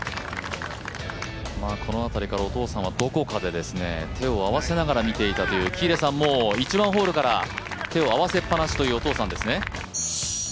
この辺りからお父さんはどこかで手を合わせながら見ていたという喜入さん、１番ホールから手を合わせっぱなしというお父さんですね。